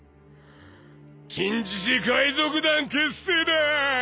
金獅子海賊団結成だ！